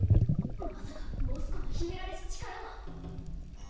まさかモスコの秘められし力が！